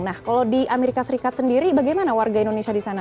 nah kalau di amerika serikat sendiri bagaimana warga indonesia di sana